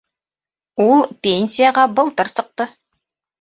Ул пенсияға былтыр сыҡты